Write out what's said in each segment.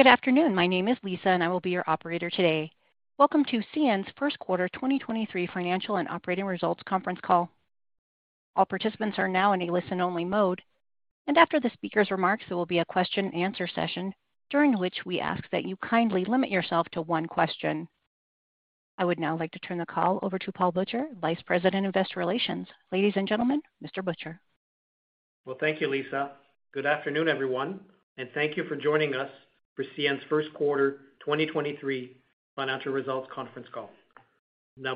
Good afternoon. My name is Lisa, and I will be your operator today. Welcome to CN's first quarter 2023 financial and operating results conference call. All participants are now in a listen-only mode, and after the speaker's remarks, there will be a question and answer session during which we ask that you kindly limit yourself to one question. I would now like to turn the call over to Paul Butcher, Vice President of Investor Relations. Ladies and gentlemen, Mr. Butcher. Well, thank you, Lisa. Good afternoon, everyone, and thank you for joining us for CN's first quarter 2023 financial results conference call.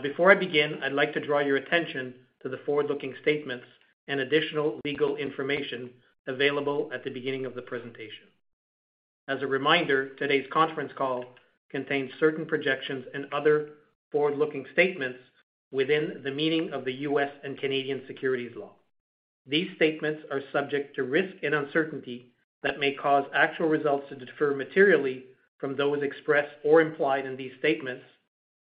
Before I begin, I'd like to draw your attention to the forward-looking statements and additional legal information available at the beginning of the presentation. As a reminder, today's conference call contains certain projections and other forward-looking statements within the meaning of the U.S. and Canadian securities law. These statements are subject to risk and uncertainty that may cause actual results to differ materially from those expressed or implied in these statements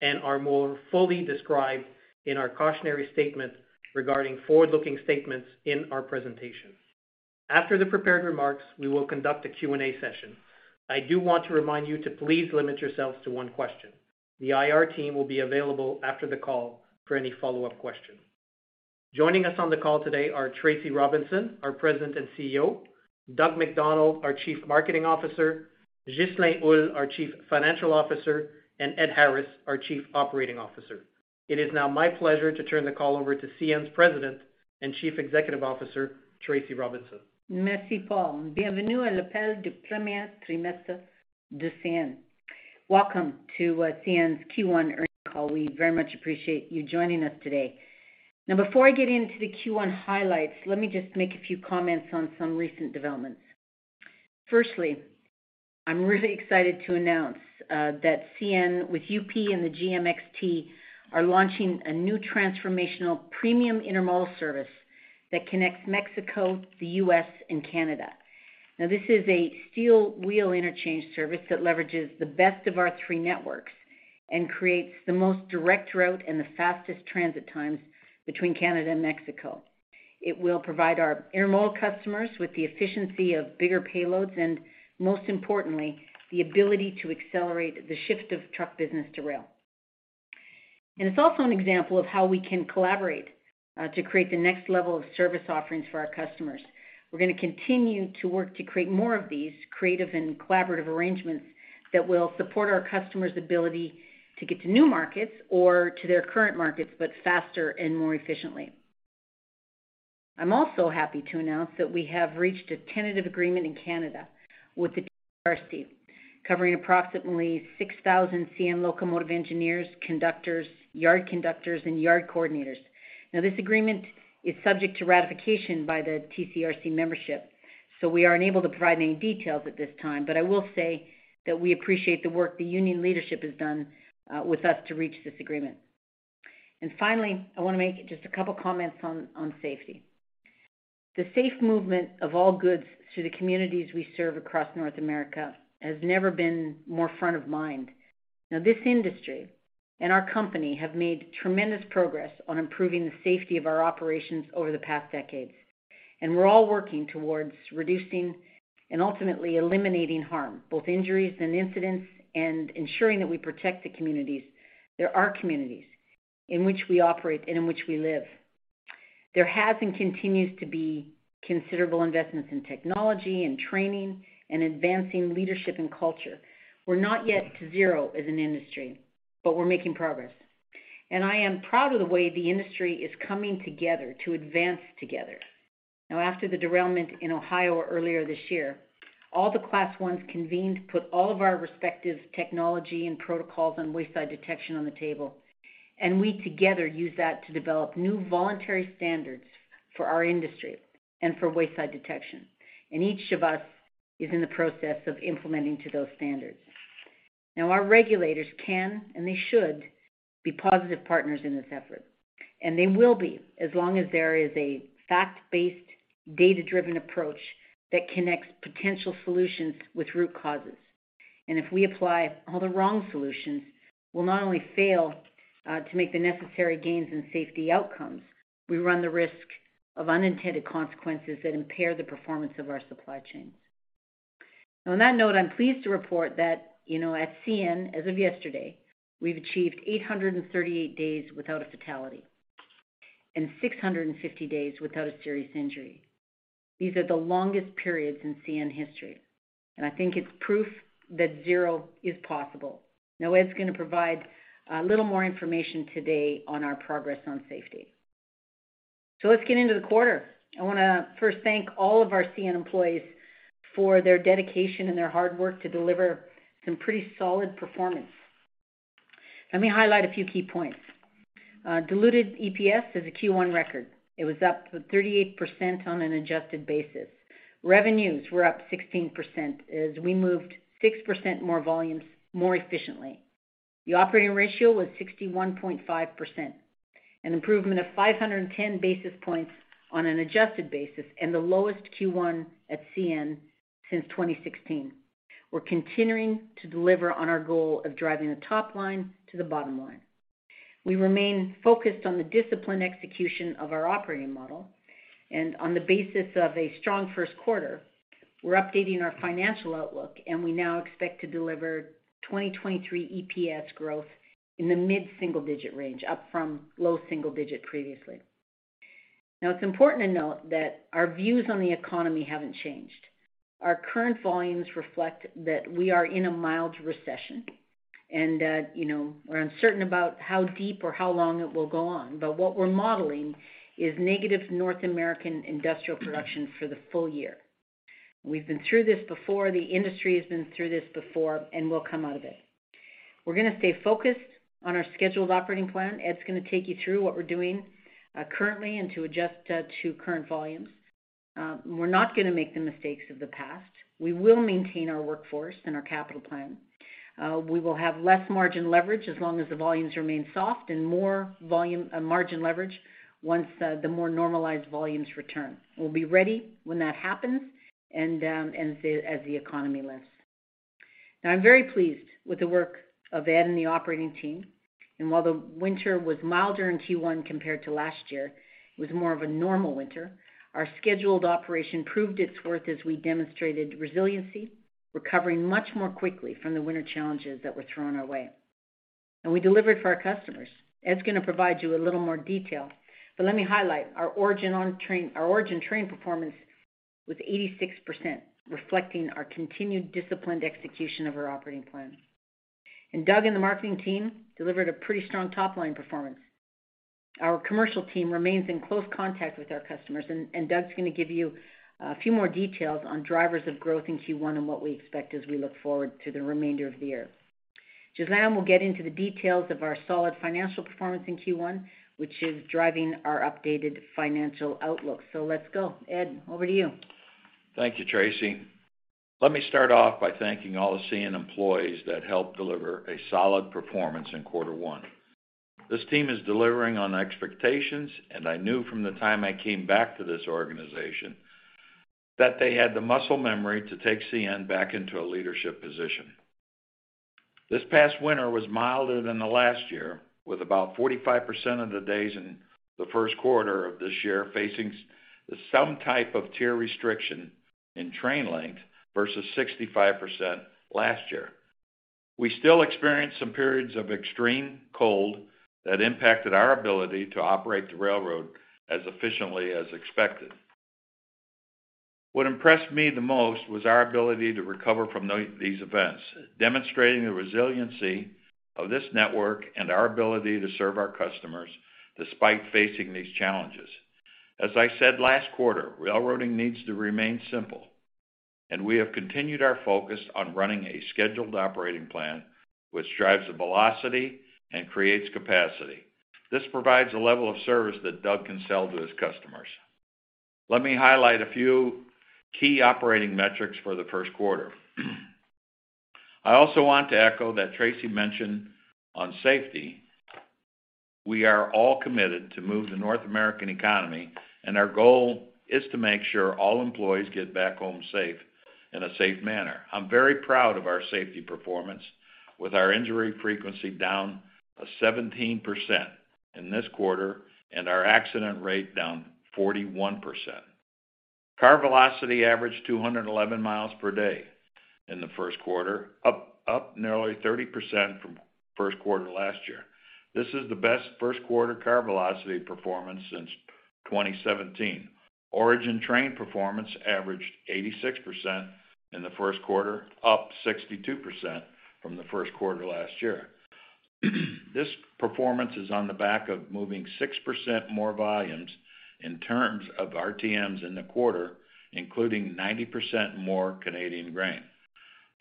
and are more fully described in our cautionary statement regarding forward-looking statements in our presentation. After the prepared remarks, we will conduct a Q&A session. I do want to remind you to please limit yourselves to one question. The IR team will be available after the call for any follow-up questions. Joining us on the call today are Tracy Robinson, our President and CEO, Doug MacDonald, our Chief Marketing Officer, Ghislain Houle, our Chief Financial Officer, and Ed Harris, our Chief Operating Officer. It is now my pleasure to turn the call over to CN's President and Chief Executive Officer, Tracy Robinson. Merci, Paul. Welcome to CN's Q1 earnings call. We very much appreciate you joining us today. Before I get into the Q1 highlights, let me just make a few comments on some recent developments. Firstly, I'm really excited to announce that CN, with UP and the GMXT are launching a new transformational premium intermodal service that connects Mexico, the U.S., and Canada. This is a steel wheel interchange service that leverages the best of our three networks and creates the most direct route and the fastest transit times between Canada and Mexico. It will provide our intermodal customers with the efficiency of bigger payloads and, most importantly, the ability to accelerate the shift of truck business to rail. It's also an example of how we can collaborate to create the next level of service offerings for our customers. We're gonna continue to work to create more of these creative and collaborative arrangements that will support our customers' ability to get to new markets or to their current markets, but faster and more efficiently. I'm also happy to announce that we have reached a tentative agreement in Canada with the TCRC, covering approximately 6,000 CN locomotive engineers, conductors, yard conductors, and yard coordinators. This agreement is subject to ratification by the TCRC membership, so we are unable to provide any details at this time. I will say that we appreciate the work the union leadership has done with us to reach this agreement. Finally, I wanna make just a couple comments on safety. The safe movement of all goods to the communities we serve across North America has never been more front of mind. Now, this industry and our company have made tremendous progress on improving the safety of our operations over the past decades. We're all working towards reducing and ultimately eliminating harm, both injuries and incidents, and ensuring that we protect the communities. There are communities in which we operate and in which we live. There has and continues to be considerable investments in technology and training and advancing leadership and culture. We're not yet to zero as an industry, but we're making progress, and I am proud of the way the industry is coming together to advance together. Now, after the derailment in Ohio earlier this year, all the Class Is convened, put all of our respective technology and protocols on wayside detection on the table, and we together used that to develop new voluntary standards for our industry and for wayside detection. Each of us is in the process of implementing to those standards. Our regulators can, and they should, be positive partners in this effort, and they will be as long as there is a fact-based, data-driven approach that connects potential solutions with root causes. If we apply all the wrong solutions, we'll not only fail to make the necessary gains in safety outcomes, we run the risk of unintended consequences that impair the performance of our supply chains. On that note, I'm pleased to report that, you know, at CN, as of yesterday, we've achieved 838 days without a fatality and 650 days without a serious injury. These are the longest periods in CN history, and I think it's proof that zero is possible. Ed's gonna provide a little more information today on our progress on safety. Let's get into the quarter. I want to first thank all of our CN employees for their dedication and their hard work to deliver some pretty solid performance. Let me highlight a few key points. Diluted EPS is a Q1 record. It was up to 38% on an adjusted basis. Revenues were up 16% as we moved 6% more volumes more efficiently. The Operating Ratio was 61.5%, an improvement of 510 basis points on an adjusted basis and the lowest Q1 at CN since 2016. We're continuing to deliver on our goal of driving the top line to the bottom line. We remain focused on the disciplined execution of our operating model. On the basis of a strong first quarter, we're updating our financial outlook, and we now expect to deliver 2023 EPS growth in the mid-single-digit range, up from low-single-digit previously. Now, it's important to note that our views on the economy haven't changed. Our current volumes reflect that we are in a mild recession, and, you know, we're uncertain about how deep or how long it will go on. What we're modeling is negative North American industrial production for the full year. We've been through this before, the industry has been through this before, and we'll come out of it. We're gonna stay focused on our scheduled operating plan. Ed's gonna take you through what we're doing currently and to adjust to current volumes. We're not gonna make the mistakes of the past. We will maintain our workforce and our capital plan. We will have less margin leverage as long as the volumes remain soft and more margin leverage once the more normalized volumes return. We'll be ready when that happens and as the economy lifts. Now I'm very pleased with the work of Ed and the operating team. While the winter was milder in Q1 compared to last year, it was more of a normal winter. Our scheduled operation proved its worth as we demonstrated resiliency, recovering much more quickly from the winter challenges that were thrown our way. We delivered for our customers. Ed's gonna provide you a little more detail, but let me highlight our origin train performance was 86%, reflecting our continued disciplined execution of our operating plan. Doug and the marketing team delivered a pretty strong top-line performance. Our commercial team remains in close contact with our customers, and Doug's gonna give you a few more details on drivers of growth in Q1 and what we expect as we look forward to the remainder of the year. Ghislain will get into the details of our solid financial performance in Q1, which is driving our updated financial outlook. Let's go. Ed, over to you. Thank you, Tracy. Let me start off by thanking all the CN employees that helped deliver a solid performance in Q1. This team is delivering on expectations, and I knew from the time I came back to this organization that they had the muscle memory to take CN back into a leadership position. This past winter was milder than the last year, with about 45% of the days in the first quarter of this year facing some type of tier restriction in train length versus 65% last year. We still experienced some periods of extreme cold that impacted our ability to operate the railroad as efficiently as expected. What impressed me the most was our ability to recover from these events, demonstrating the resiliency of this network and our ability to serve our customers despite facing these challenges. As I said last quarter, railroading needs to remain simple, and we have continued our focus on running a scheduled operating plan which drives the velocity and creates capacity. This provides a level of service that Doug MacDonald can sell to his customers. Let me highlight a few key operating metrics for the first quarter. I also want to echo that Tracy Robinson mentioned on safety, we are all committed to move the North American economy, and our goal is to make sure all employees get back home safe, in a safe manner. I'm very proud of our safety performance with our injury frequency down 17% in this quarter and our accident rate down 41%. Car velocity averaged 211 miles per day in the first quarter, up nearly 30% from first quarter last year. This is the best first-quarter Car velocity performance since 2017. Origin Train Performance averaged 86% in the 1st quarter, up 62% from the 1st quarter last year. This performance is on the back of moving 6% more volumes in terms of RTMs in the quarter, including 90% more Canadian grain.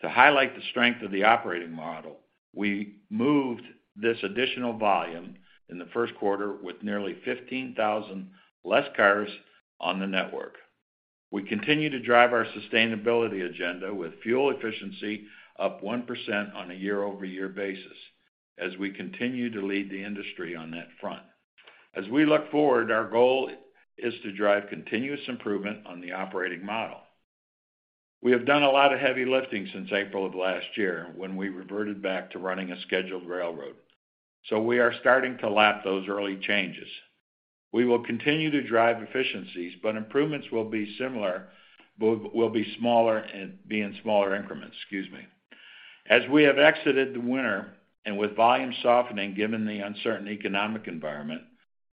To highlight the strength of the operating model, we moved this additional volume in the 1st quarter with nearly 15,000 less cars on the network. We continue to drive our sustainability agenda with fuel efficiency up 1% on a year-over-year basis as we continue to lead the industry on that front. As we look forward, our goal is to drive continuous improvement on the operating model. We have done a lot of heavy lifting since April of last year when we reverted back to running a scheduled railroad. We are starting to lap those early changes. We will continue to drive efficiencies, but improvements will be smaller and be in smaller increments. Excuse me. We have exited the winter and with volume softening given the uncertain economic environment,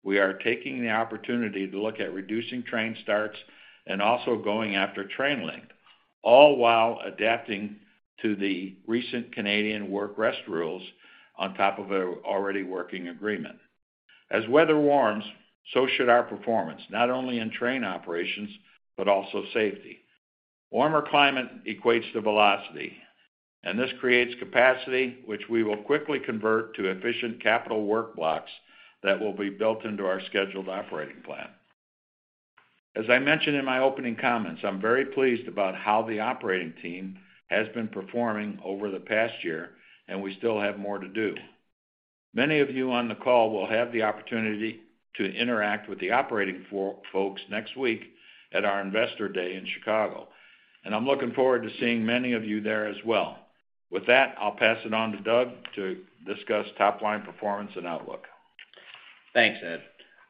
we are taking the opportunity to look at reducing train starts and also going after train length, all while adapting to the recent Canadian work rest rules on top of a already working agreement. Weather warms, so should our performance, not only in train operations, but also safety. Warmer climate equates to velocity, this creates capacity which we will quickly convert to efficient capital work blocks that will be built into our scheduled operating plan. I mentioned in my opening comments, I'm very pleased about how the operating team has been performing over the past year, we still have more to do. Many of you on the call will have the opportunity to interact with the operating folks next week at our Investor Day in Chicago, and I'm looking forward to seeing many of you there as well. With that, I'll pass it on to Doug to discuss top-line performance and outlook. Thanks, Ed.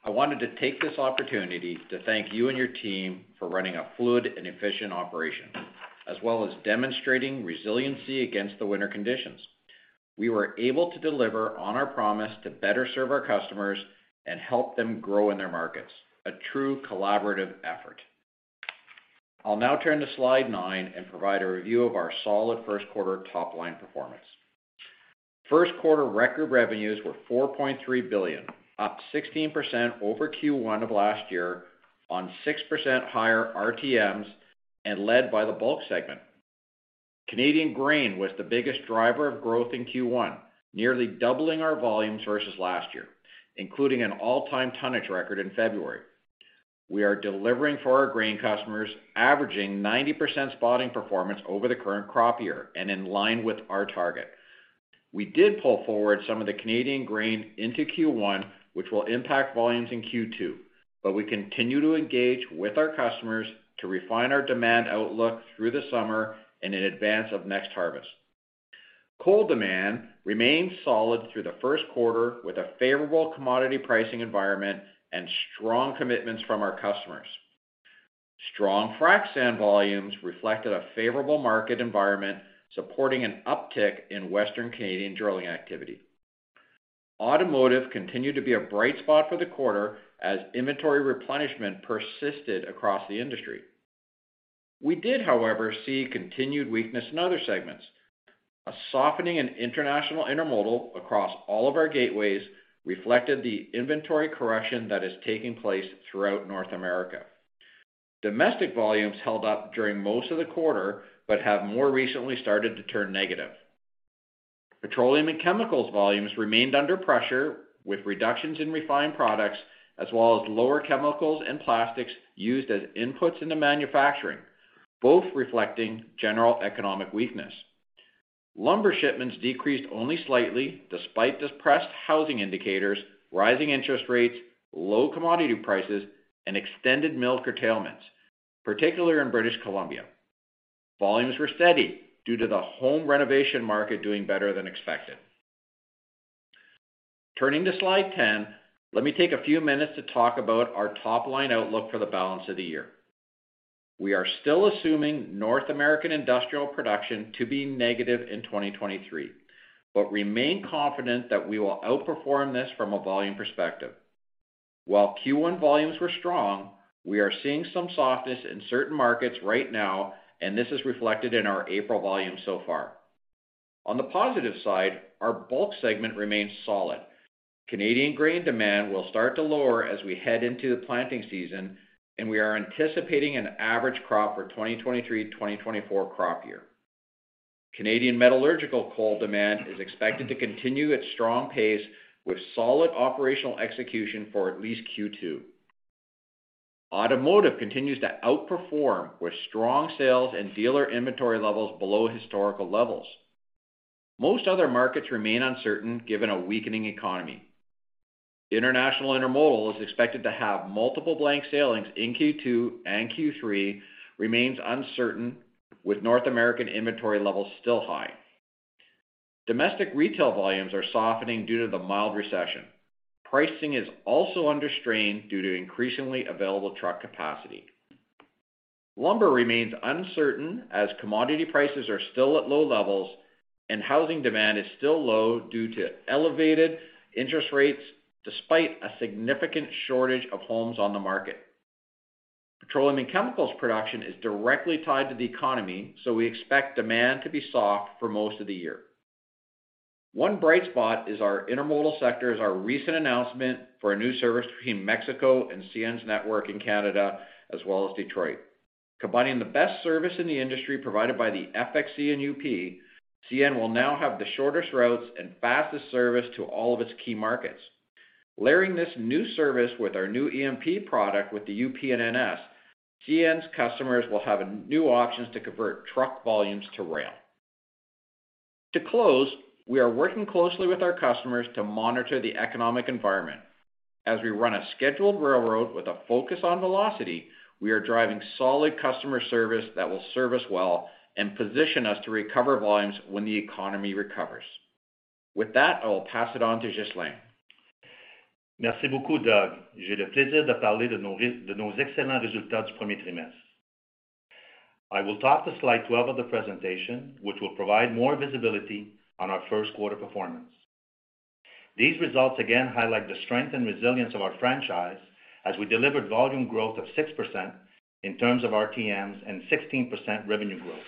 I wanted to take this opportunity to thank you and your team for running a fluid and efficient operation, as well as demonstrating resiliency against the winter conditions. We were able to deliver on our promise to better serve our customers and help them grow in their markets. A true collaborative effort. I'll now turn to slide nine and provide a review of our solid first quarter top-line performance. First quarter record revenues were 4.3 billion, up 16% over Q1 of last year on 6% higher RTMs and led by the bulk segment. Canadian Grain was the biggest driver of growth in Q1, nearly doubling our volumes versus last year, including an all-time tonnage record in February. We are delivering for our grain customers, averaging 90% spotting performance over the current crop year and in line with our target. We did pull forward some of the Canadian grain into Q1, which will impact volumes in Q2, but we continue to engage with our customers to refine our demand outlook through the summer and in advance of next harvest. Coal demand remains solid through the first quarter with a favorable commodity pricing environment and strong commitments from our customers. Strong frac sand volumes reflected a favorable market environment, supporting an uptick in Western Canadian drilling activity. Automotive continued to be a bright spot for the quarter as inventory replenishment persisted across the industry. We did, however, see continued weakness in other segments. A softening in international intermodal across all of our gateways reflected the inventory correction that is taking place throughout North America. Domestic volumes held up during most of the quarter, but have more recently started to turn negative. Petroleum and Chemicals volumes remained under pressure, with reductions in refined products, as well as lower chemicals and plastics used as inputs into manufacturing, both reflecting general economic weakness. Lumber shipments decreased only slightly, despite depressed housing indicators, rising interest rates, low commodity prices, and extended mill curtailments, particularly in British Columbia. Volumes were steady due to the home renovation market doing better than expected. Turning to slide 10, let me take a few minutes to talk about our top-line outlook for the balance of the year. We are still assuming North American industrial production to be negative in 2023, but remain confident that we will outperform this from a volume perspective. While Q1 volumes were strong, we are seeing some softness in certain markets right now, and this is reflected in our April volume so far. On the positive side, our bulk segment remains solid. Canadian grain demand will start to lower as we head into the planting season, and we are anticipating an average crop for 2023/2024 crop year. Canadian metallurgical coal demand is expected to continue its strong pace with solid operational execution for at least Q2. Automotive continues to outperform with strong sales and dealer inventory levels below historical levels. Most other markets remain uncertain, given a weakening economy. International Intermodal is expected to have multiple blank sailings in Q2 and Q3, remains uncertain, with North American inventory levels still high. Domestic retail volumes are softening due to the mild recession. Pricing is also under strain due to increasingly available truck capacity. Lumber remains uncertain as commodity prices are still at low levels and housing demand is still low due to elevated interest rates despite a significant shortage of homes on the market. Petroleum and Chemicals production is directly tied to the economy. We expect demand to be soft for most of the year. One bright spot is our intermodal sector is our recent announcement for a new service between Mexico and CN's network in Canada, as well as Detroit. Combining the best service in the industry provided by the FXE and UP, CN will now have the shortest routes and fastest service to all of its key markets. Layering this new service with our new EMP product with the UP and NS, CN's customers will have new options to convert truck volumes to rail. To close, we are working closely with our customers to monitor the economic environment. As we run a scheduled railroad with a focus on velocity, we are driving solid customer service that will serve us well and position us to recover volumes when the economy recovers. With that, I will pass it on to Ghislain. Doug. I will talk to slide 12 of the presentation, which will provide more visibility on our first quarter performance. These results again highlight the strength and resilience of our franchise as we delivered volume growth of 6% in terms of RTMs and 16% revenue growth.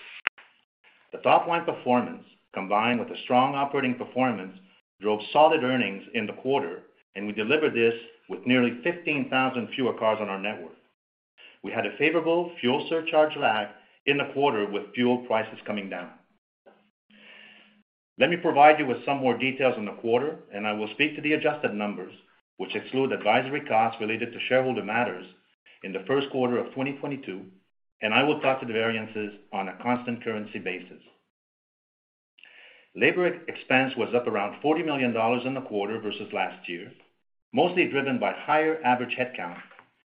The top line performance, combined with a strong operating performance, drove solid earnings in the quarter, and we delivered this with nearly 15,000 fewer cars on our network. We had a favorable Fuel Surcharge Lag in the quarter with fuel prices coming down. Let me provide you with some more details on the quarter, and I will speak to the adjusted numbers, which exclude advisory costs related to shareholder matters in the first quarter of 2022, and I will talk to the variances on a constant currency basis. Labor expense was up around $40 million in the quarter versus last year, mostly driven by higher average headcount,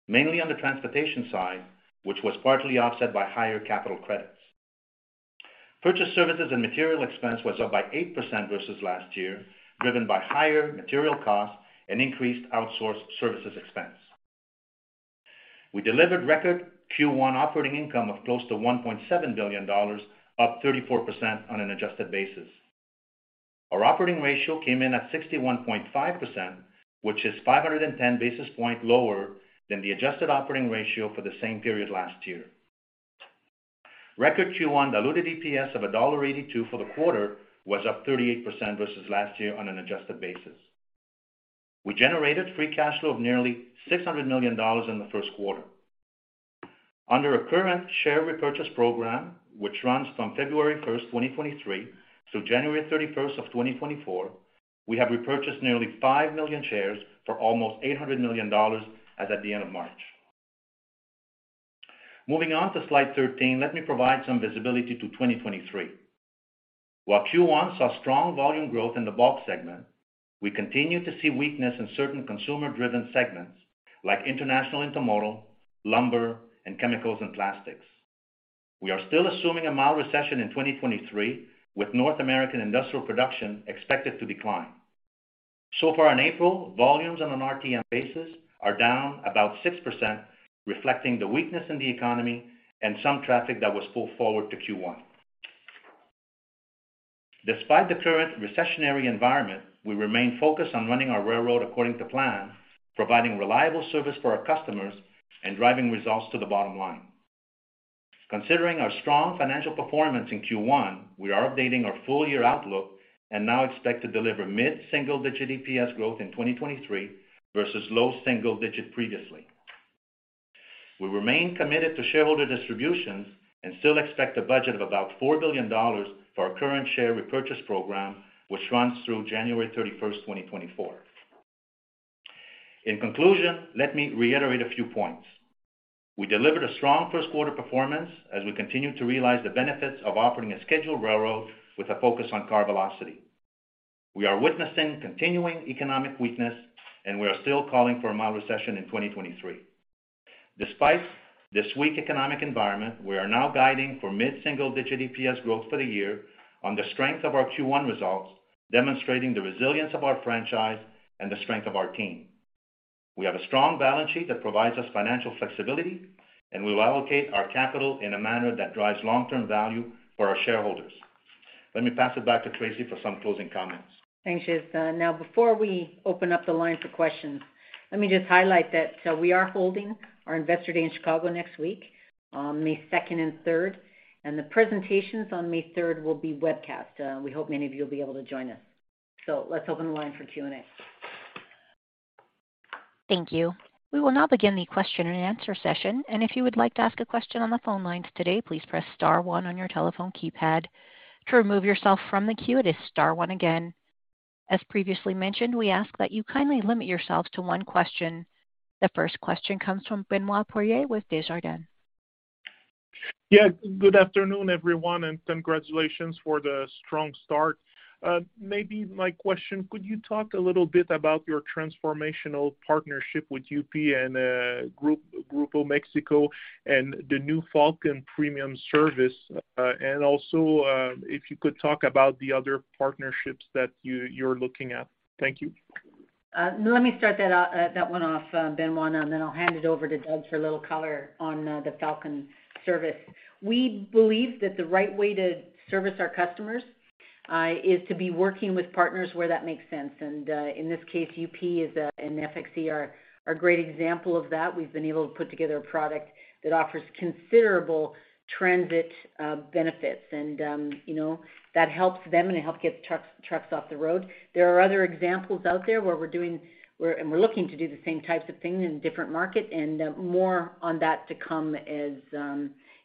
mainly on the transportation side, which was partly offset by higher capital credits. Purchase services and material expense was up by 8% versus last year, driven by higher material costs and increased outsourced services expense. We delivered record Q1 operating income of close to $1.7 billion, up 34% on an adjusted basis. Our operating ratio came in at 61.5%, which is 510 basis point lower than the adjusted operating ratio for the same period last year. Record Q1 diluted EPS of $1.82 for the quarter was up 38% versus last year on an adjusted basis. We generated free cash flow of nearly $600 million in the first quarter. Under our current share repurchase program, which runs from February 1st, 2023 to January 31st, 2024, we have repurchased nearly 5 million shares for almost 800 million dollars as at the end of March. Moving on to slide 13, let me provide some visibility to 2023. While Q1 saw strong volume growth in the bulk segment, we continue to see weakness in certain consumer-driven segments like international intermodal, lumber, and chemicals and plastics. We are still assuming a mild recession in 2023, with North American industrial production expected to decline. Far in April, volumes on an RTM basis are down about 6%, reflecting the weakness in the economy and some traffic that was pulled forward to Q1. Despite the current recessionary environment, we remain focused on running our railroad according to plan, providing reliable service for our customers and driving results to the bottom line. Considering our strong financial performance in Q1, we are updating our full year outlook and now expect to deliver mid-single-digit EPS growth in 2023 versus low single digit previously. We remain committed to shareholder distributions and still expect a budget of about $4 billion for our current share repurchase program, which runs through January 31st, 2024. In conclusion, let me reiterate a few points. We delivered a strong first quarter performance as we continue to realize the benefits of operating a scheduled railroad with a focus on car velocity. We are witnessing continuing economic weakness, we are still calling for a mild recession in 2023. Despite this weak economic environment, we are now guiding for mid-single-digit EPS growth for the year on the strength of our Q1 results, demonstrating the resilience of our franchise and the strength of our team. We have a strong balance sheet that provides us financial flexibility, and we will allocate our capital in a manner that drives long-term value for our shareholders. Let me pass it back to Tracy for some closing comments. Thanks, Ghis. Before we open up the line for questions, let me just highlight that we are holding our Investor Day in Chicago next week on May 2nd and 3rd, and the presentations on May 3rd will be webcast. We hope many of you will be able to join us. Let's open the line for Q&A. Thank you. We will now begin the question and answer session. If you would like to ask a question on the phone lines today, please press star one on your telephone keypad. To remove yourself from the queue, it is star one again. As previously mentioned, we ask that you kindly limit yourself to one question. The first question comes from Benoit Poirier with Desjardins. Good afternoon, everyone, and congratulations for the strong start. Maybe my question, could you talk a little bit about your transformational partnership with UP and Grupo México and the new Falcon Premium service? Also, if you could talk about the other partnerships that you're looking at? Thank you. Let me start that one off, Benoit, and then I'll hand it over to Doug for a little color on the Falcon service. We believe that the right way to service our customers is to be working with partners where that makes sense. In this case, UP and FXE are a great example of that. We've been able to put together a product that offers considerable transit benefits, and, you know, that helps them and it helps get trucks off the road. There are other examples out there where we're looking to do the same types of things in a different market and more on that to come as,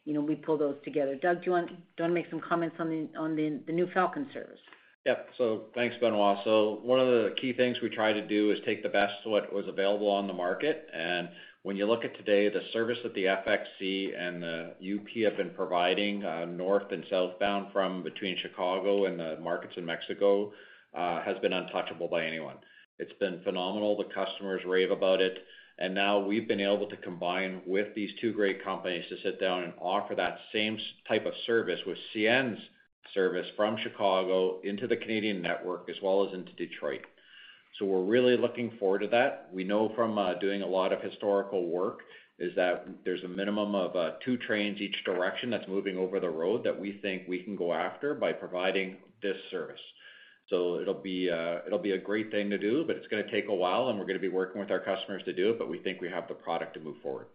you know, we pull those together. Doug, do you wanna make some comments on the new Falcon service? Thanks, Benoit. One of the key things we try to do is take the best of what was available on the market. When you look at today, the service that the FXE and the UP have been providing, north and southbound from between Chicago and the markets in Mexico, has been untouchable by anyone. It's been phenomenal. The customers rave about it. Now we've been able to combine with these two great companies to sit down and offer that same type of service with CN's service from Chicago into the Canadian network as well as into Detroit. We're really looking forward to that. We know from doing a lot of historical work is that there's a minimum of two trains each direction that's moving over the road that we think we can go after by providing this service. It'll be a great thing to do, but it's gonna take a while, and we're gonna be working with our customers to do it, but we think we have the product to move forward.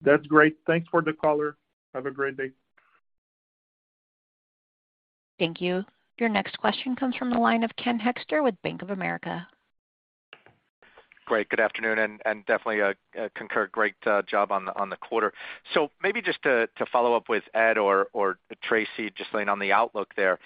That's great. Thanks for the color. Have a great day. Thank you. Your next question comes from the line of Ken Hoexter with Bank of America. Great. Good afternoon, and definitely concur, great job on the quarter. Maybe just to follow up with Ed or Tracy just laying on the outlook there.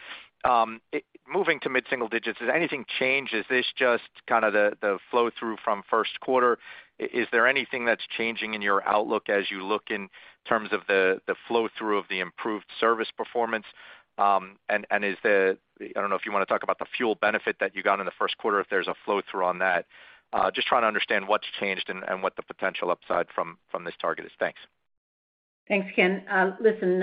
Moving to mid-single digits, has anything changed? Is this just kinda the flow-through from first quarter? Is there anything that's changing in your outlook as you look in terms of the flow-through of the improved service performance? I don't know if you wanna talk about the fuel benefit that you got in the first quarter, if there's a flow-through on that? Just trying to understand what's changed and what the potential upside from this target is. Thanks. Thanks, Ken. listen,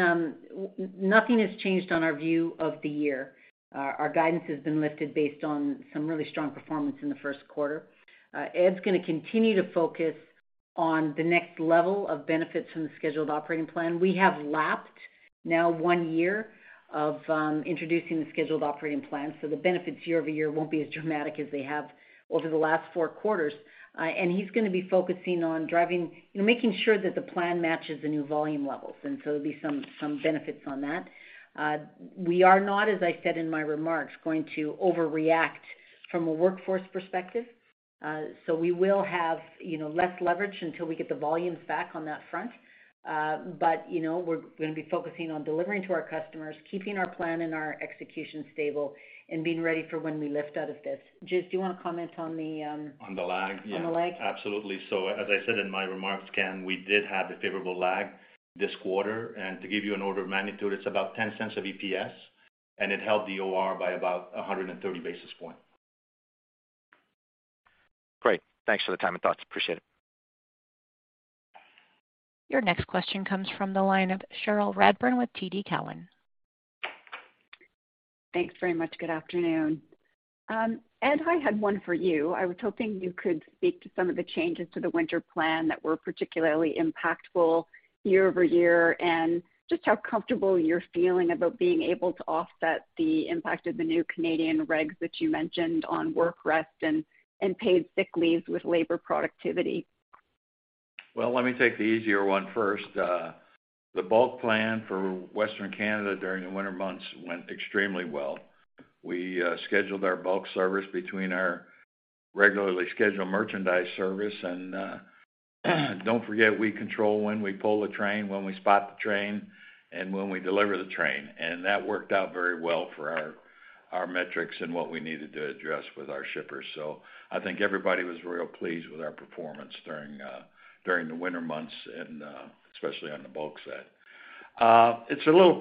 nothing has changed on our view of the year. Our guidance has been lifted based on some really strong performance in the first quarter. Ed's gonna continue to focus on the next level of benefits from the scheduled operating plan. We have lapped now one year of introducing the scheduled operating plan, so the benefits year-over-year won't be as dramatic as they have over the last four quarters. he's gonna be focusing on driving, you know, making sure that the plan matches the new volume levels, and so there'll be some benefits on that. We are not, as I said in my remarks, going to overreact from a workforce perspective. we will have, you know, less leverage until we get the volumes back on that front. you know, we're gonna be focusing on delivering to our customers, keeping our plan and our execution stable, and being ready for when we lift out of this. Gis, do you wanna comment on the? On the lag? Yeah. On the lag. Absolutely. As I said in my remarks, Ken, we did have a favorable lag this quarter. To give you an order of magnitude, it's about 0.10 a EPS, and it held the OR by about 130 basis point. Great. Thanks for the time and thoughts. Appreciate it. Your next question comes from the line of Cherilyn Radbourne with TD Cowen. Thanks very much. Good afternoon. Ed, I had one for you. I was hoping you could speak to some of the changes to the winter plan that were particularly impactful year-over-year, and just how comfortable you're feeling about being able to offset the impact of the new Canadian regs that you mentioned on work rest and paid sick leaves with labor productivity? Well, let me take the easier one first. The bulk plan for Western Canada during the winter months went extremely well. We scheduled our bulk service between our regularly scheduled merchandise service and, don't forget, we control when we pull the train, when we spot the train, and when we deliver the train. That worked out very well for our metrics and what we needed to address with our shippers. I think everybody was real pleased with our performance during the winter months, and especially on the bulk side. It's a little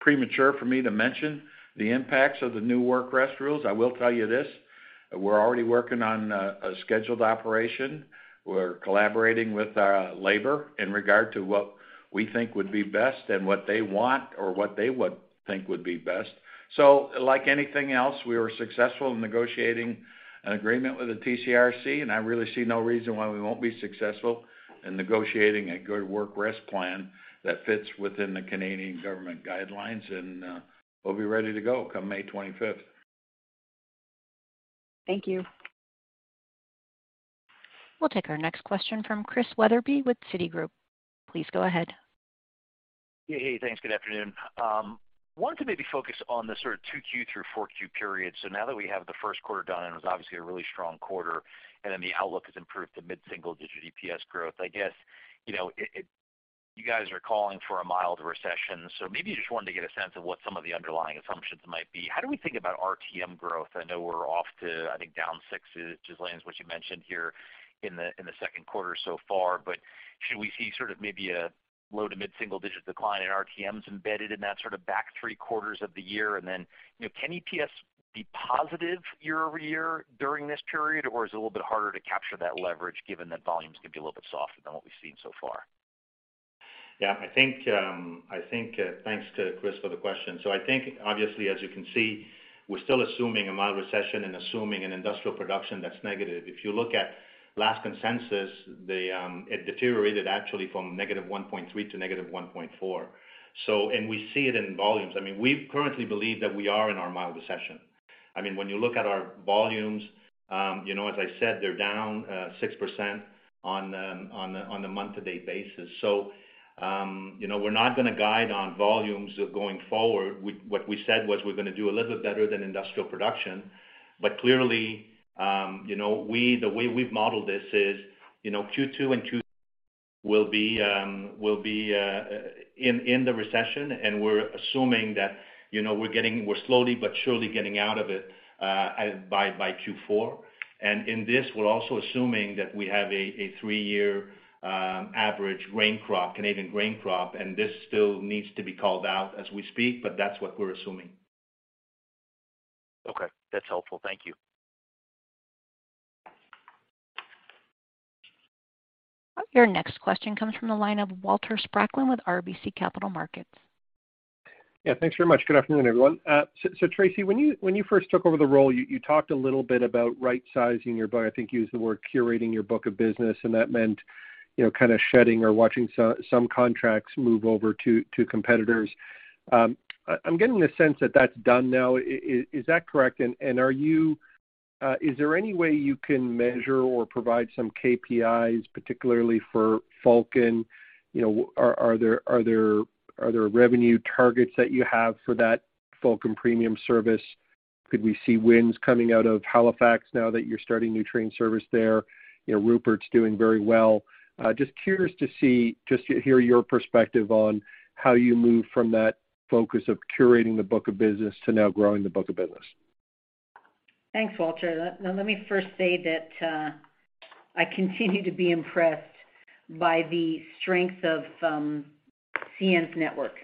premature for me to mention the impacts of the new work rest rules. I will tell you this, we're already working on a scheduled operation. We're collaborating with labor in regard to what we think would be best and what they want or what they would think would be best. Like anything else, we were successful in negotiating an agreement with the TCRC, and I really see no reason why we won't be successful in negotiating a good work rest plan that fits within the Canadian government guidelines. We'll be ready to go come May 25th. Thank you. We'll take our next question from Christian Wetherbee with Citigroup. Please go ahead. Yeah. Hey, thanks. Good afternoon. Wanted to maybe focus on the sort of 2Q through 4Q period. Now that we have the first quarter done, it was obviously a really strong quarter, the outlook has improved to mid-single digit EPS growth, I guess, you know, you guys are calling for a mild recession. Maybe you just wanted to get a sense of what some of the underlying assumptions might be. How do we think about RTM growth? I know we're off to, I think, down 6 Ghislain, which you mentioned here in the, in the second quarter so far. Should we see sort of maybe a low to mid-single digit decline in RTMs embedded in that sort of back 3 quarters of the year? You know, can EPS be positive year-over-year during this period, or is it a little bit harder to capture that leverage given that volumes could be a little bit softer than what we've seen so far? Yeah. I think, thanks to Chris for the question. I think obviously, as you can see, we're still assuming a mild recession and assuming an industrial production that's negative. If you look at last consensus, it deteriorated actually from negative 1.3 to negative 1.4. We see it in volumes. I mean, we currently believe that we are in our mild recession. I mean, when you look at our volumes, you know, as I said, they're down 6% on the month to date basis. You know, we're not gonna guide on volumes going forward. What we said was we're gonna do a little bit better than industrial production. Clearly, you know, the way we've modeled this is, you know, Q2 and Q will be in the recession, and we're assuming that, you know, we're slowly but surely getting out of it by Q4. In this, we're also assuming that we have a three year average grain crop, Canadian grain crop, and this still needs to be called out as we speak, but that's what we're assuming. Okay. That's helpful. Thank you. Your next question comes from the line of Walter Spracklin with RBC Capital Markets. Thanks very much. Good afternoon, everyone. Tracy, when you first took over the role, you talked a little bit about right-sizing your, but I think you used the word curating your book of business, and that meant, you know, kind of shedding or watching some contracts move over to competitors. I'm getting the sense that that's done now. Is that correct? Are you, is there any way you can measure or provide some KPIs, particularly for Falcon? You know, are there revenue targets that you have for that Falcon Premium service? Could we see wins coming out of Halifax now that you're starting new train service there? You know, Rupert's doing very well. Just curious to hear your perspective on how you move from that focus of curating the book of business to now growing the book of business. Thanks, Walter. Let me first say that I continue to be impressed by the strength of CN's network.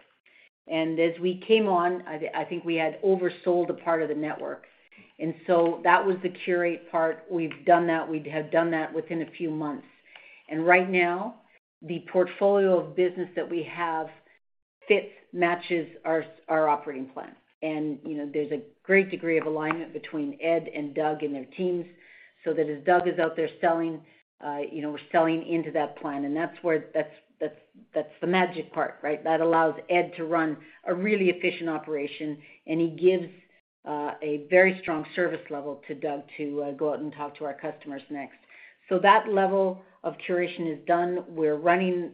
As we came on, I think we had oversold a part of the network. That was the curate part. We've done that. We'd have done that within a few months. Right now, the portfolio of business that we have fits, matches our operating plan. You know, there's a great degree of alignment between Ed and Doug and their teams, so that as Doug is out there selling, you know, we're selling into that plan. That's the magic part, right? That allows Ed to run a really efficient operation, and he gives a very strong service level to Doug to go out and talk to our customers next. That level of curation is done. We're running,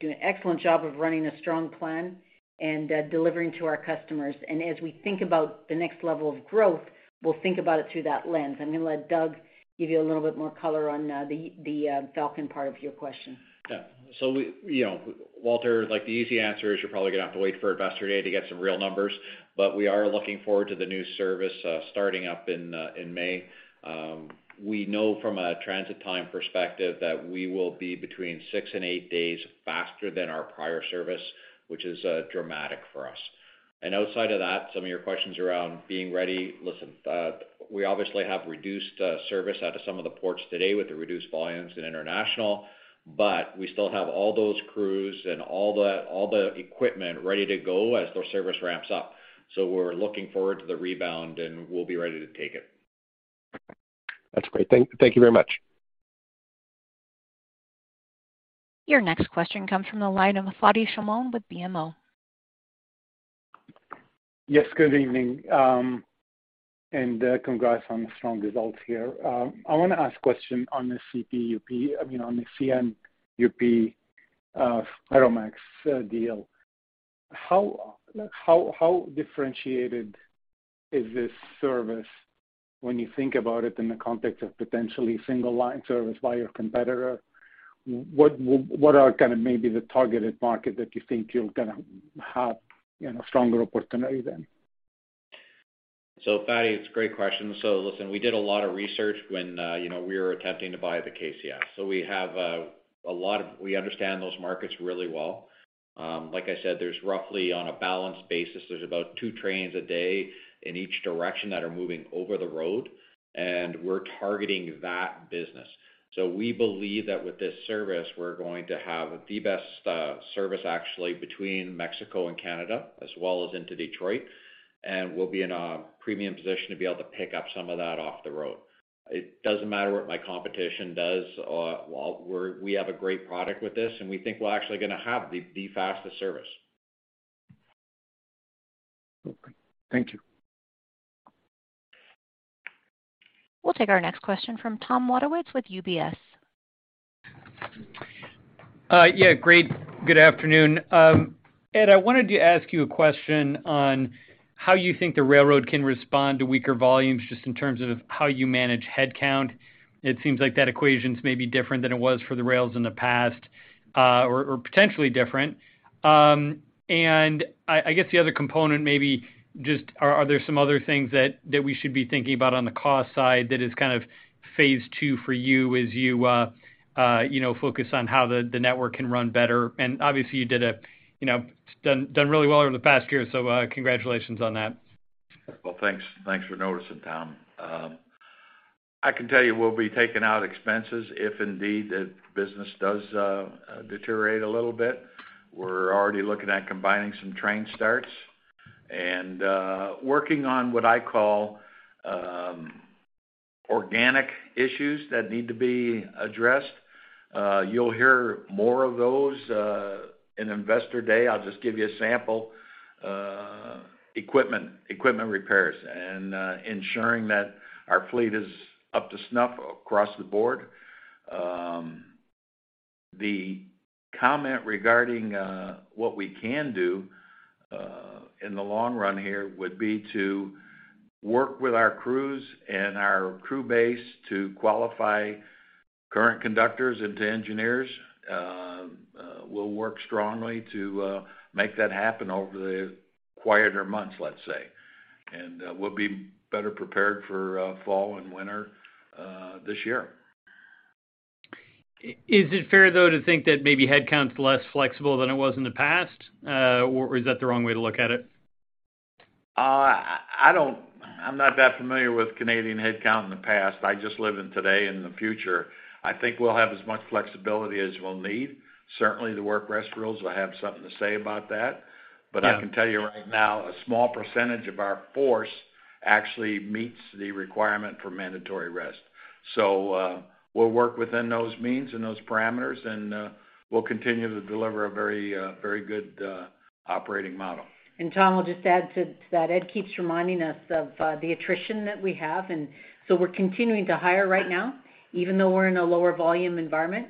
doing an excellent job of running a strong plan and delivering to our customers. As we think about the next level of growth, we'll think about it through that lens. I'm gonna let Doug give you a little bit more color on the Falcon part of your question. Yeah. You know, Walter Spracklin, like, the easy answer is you're probably gonna have to wait for Investor Day to get some real numbers. We are looking forward to the new service starting up in May. We know from a transit time perspective that we will be between 6 and 8 days faster than our prior service, which is dramatic for us. Outside of that, some of your questions around being ready. Listen, we obviously have reduced service out of some of the ports today with the reduced volumes in international, but we still have all those crews and all the equipment ready to go as their service ramps up. We're looking forward to the rebound, and we'll be ready to take it. That's great. Thank you very much. Your next question comes from the line of Fadi Chamoun with BMO. Yes, good evening. Congrats on the strong results here. I wanna ask question on the CN UP, I mean, on the CN UP, Ferromex deal. How, how differentiated is this service when you think about it in the context of potentially single line service by your competitor? What, what are kind of maybe the targeted market that you think you're gonna have, you know, stronger opportunity then? Fadi, it's a great question. Listen, we did a lot of research when, you know, we were attempting to buy the KCS. We understand those markets really well. Like I said, there's roughly on a balanced basis, there's about two trains a day in each direction that are moving over the road, and we're targeting that business. We believe that with this service, we're going to have the best service actually between Mexico and Canada, as well as into Detroit. We'll be in a premium position to be able to pick up some of that off the road. It doesn't matter what my competition does, while we have a great product with this, and we think we're actually gonna have the fastest service. Okay. Thank you. We'll take our next question from Thomas Wadewitz with UBS. Yeah, great. Good afternoon. Ed, I wanted to ask you a question on how you think the railroad can respond to weaker volumes, just in terms of how you manage headcount. It seems like that equation's maybe different than it was for the rails in the past, or potentially different. I guess the other component maybe just are there some other things that we should be thinking about on the cost side that is kind of phase II for you as you know, focus on how the network can run better? Obviously you did a, you know, it's done really well over the past year, so, congratulations on that. Well, thanks. Thanks for noticing, Tom. I can tell you we'll be taking out expenses if indeed the business does deteriorate a little bit. We're already looking at combining some train starts and working on what I call organic issues that need to be addressed. You'll hear more of those in Investor Day. I'll just give you a sample. Equipment repairs and ensuring that our fleet is up to snuff across the board. The comment regarding what we can do in the long run here would be to work with our crews and our crew base to qualify current conductors into engineers. We'll work strongly to make that happen over the quieter months, let's say. We'll be better prepared for fall and winter this year. Is it fair though to think that maybe headcount's less flexible than it was in the past? Is that the wrong way to look at it? I'm not that familiar with Canadian headcount in the past. I just live in today and the future. I think we'll have as much flexibility as we'll need. Certainly, the work rest rules will have something to say about that. Yeah. I can tell you right now, a small % of our force actually meets the requirement for mandatory rest. We'll work within those means and those parameters and we'll continue to deliver a very, very good operating model. Tom, I'll just add to that. Ed keeps reminding us of, the attrition that we have, and so we're continuing to hire right now, even though we're in a lower volume environment,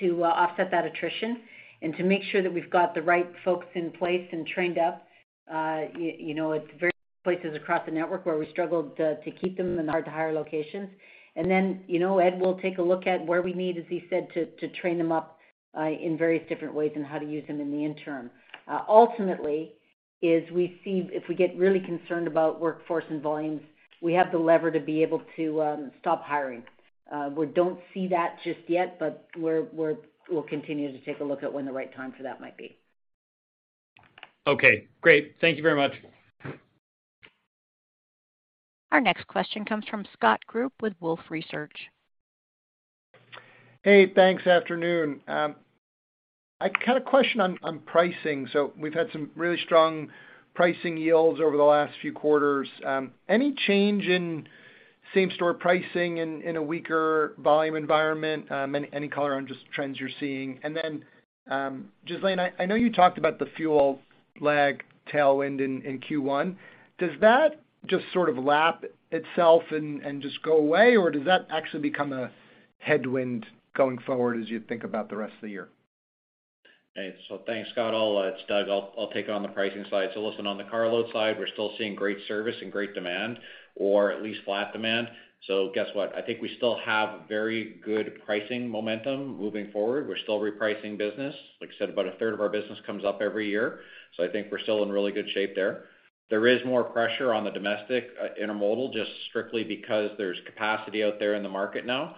to offset that attrition and to make sure that we've got the right folks in place and trained up. You know, it's various places across the network where we struggled, to keep them in hard to hire locations. You know, Ed will take a look at where we need, as he said, to train them up, in various different ways and how to use them in the interim. We see if we get really concerned about workforce and volumes, we have the lever to be able to stop hiring. We don't see that just yet, but we'll continue to take a look at when the right time for that might be. Okay, great. Thank you very much. Our next question comes from Scott Group with Wolfe Research. Hey, thanks. Afternoon. I kind of question on pricing. We've had some really strong pricing yields over the last few quarters. Any change in same-store pricing in a weaker volume environment? Any color on just trends you're seeing? Then Ghislain, I know you talked about the fuel lag tailwind in Q1. Does that just sort of lap itself and just go away, or does that actually become a headwind going forward as you think about the rest of the year? Hey, thanks, Scott, it's Doug, I'll take on the pricing side. Listen, on the carload side, we're still seeing great service and great demand or at least flat demand. Guess what? I think we still have very good pricing momentum moving forward. We're still repricing business. Like I said, about a third of our business comes up every year, so I think we're still in really good shape there. There is more pressure on the domestic intermodal, just strictly because there's capacity out there in the market now.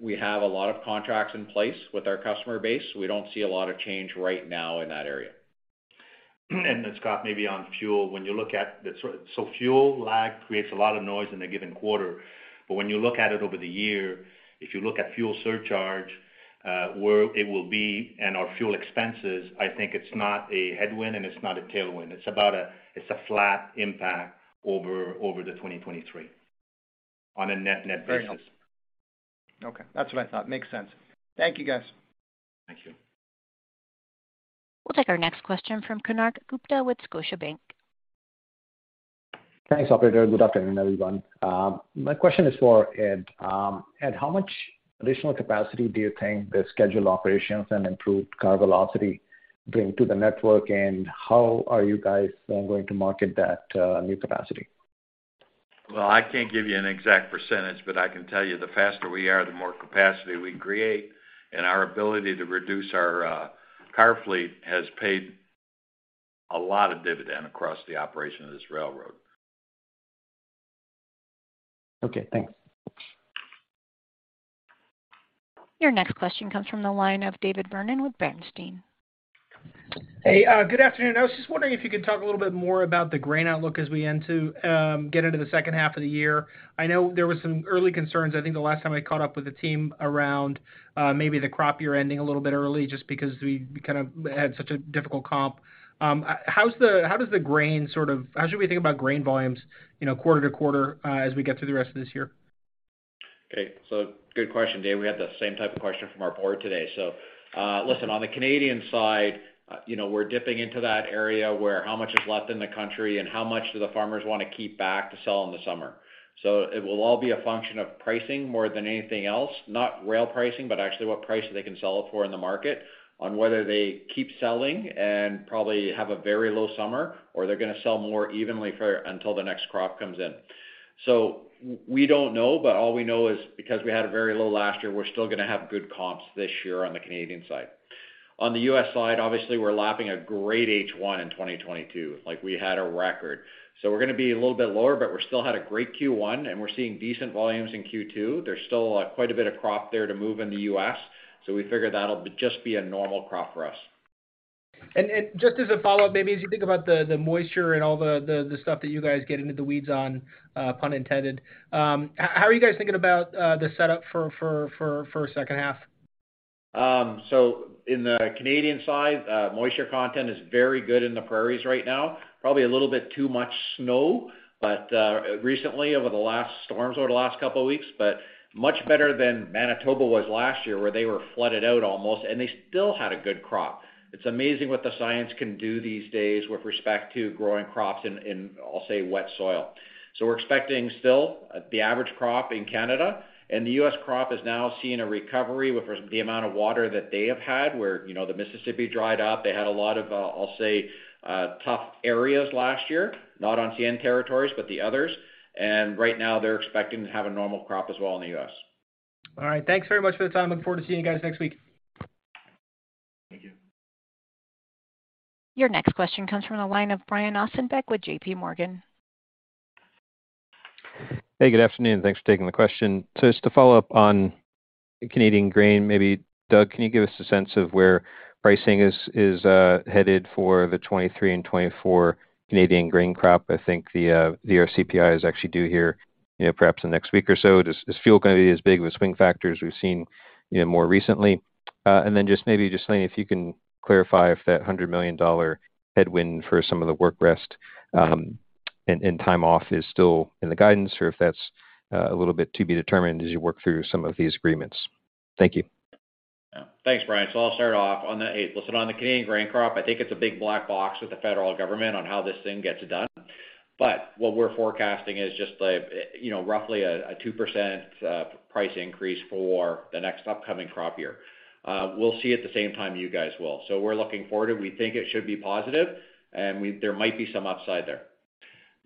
We have a lot of contracts in place with our customer base. We don't see a lot of change right now in that area. Scott, maybe on fuel, when you look at So fuel lag creates a lot of noise in a given quarter. When you look at it over the year, if you look at fuel surcharge, where it will be and our fuel expenses, I think it's not a headwind and it's not a tailwind. It's a flat impact over the 2023 on a net basis. Very helpful. Okay. That's what I thought. Makes sense. Thank you, guys. Thank you. We'll take our next question from Konark Gupta with Scotiabank. Thanks, operator. Good afternoon, everyone. My question is for Ed. Ed, how much additional capacity do you think the scheduled operations and improved Car Velocity bring to the network, and how are you guys then going to market that new capacity? I can't give you an exact %, but I can tell you the faster we are, the more capacity we create, and our ability to reduce our car fleet has paid a lot of dividend across the operation of this railroad. Okay, thanks. Your next question comes from the line of David Vernon with Bernstein. Hey, good afternoon. I was just wondering if you could talk a little bit more about the grain outlook as we get into the second half of the year. I know there was some early concerns, I think the last time I caught up with the team around maybe the crop year-ending a little bit early just because we kind of had such a difficult comp. How should we think about grain volumes, you know, quarter to quarter, as we get through the rest of this year? Okay. Good question, David. We had the same type of question from our board today. listen, on the Canadian side, you know, we're dipping into that area where how much is left in the country and how much do the farmers wanna keep back to sell in the summer. It will all be a function of pricing more than anything else. Not rail pricing, but actually what price they can sell it for in the market on whether they keep selling and probably have a very low summer or they're gonna sell more evenly until the next crop comes in. We don't know, all we know is because we had a very low last year, we're still gonna have good comps this year on the Canadian side. The U.S. side, obviously, we're lapping a great H1 in 2022, like we had a record. We're gonna be a little bit lower, but we still had a great Q1, and we're seeing decent volumes in Q2. There's still quite a bit of crop there to move in the U.S., we figure that'll just be a normal crop for us. Just as a follow-up, maybe as you think about the moisture and all the stuff that you guys get into the weeds on, pun intended, how are you guys thinking about, the setup for second half? In the Canadian side, moisture content is very good in the prairies right now. Probably a little bit too much snow, but recently over the last storms over the last couple of weeks, but much better than Manitoba was last year, where they were flooded out almost, and they still had a good crop. It's amazing what the science can do these days with respect to growing crops in, I'll say, wet soil. We're expecting still the average crop in Canada, and the U.S. crop is now seeing a recovery with the amount of water that they have had, where, you know, the Mississippi dried up. They had a lot of, I'll say, tough areas last year, not on CN territories, but the others. Right now they're expecting to have a normal crop as well in the U.S. All right. Thanks very much for the time. Look forward to seeing you guys next week. Thank you. Your next question comes from the line of Brian Ossenbeck with JPMorgan. Hey, good afternoon, and thanks for taking the question. Just to follow up on Canadian grain, maybe, Doug, can you give us a sense of where pricing is headed for the 2023 and 2024 Canadian grain crop? I think the CPI is actually due here, you know, perhaps in the next week or so. Does fuel gonna be as big of a swing factor as we've seen, you know, more recently? Then just maybe, Ghislain, if you can clarify if that 100 million dollar headwind for some of the work rest, and time off is still in the guidance or if that's a little bit to be determined as you work through some of these agreements. Thank you. Yeah. Thanks, Brian. I'll start off. Hey, listen on the Canadian grain crop, I think it's a big black box with the federal government on how this thing gets done. What we're forecasting is just a, you know, roughly a 2% price increase for the next upcoming crop year. We'll see at the same time you guys will. We're looking forward to it. We think it should be positive, and there might be some upside there.